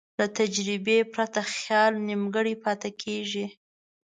له تجربې پرته خیال نیمګړی پاتې کېږي.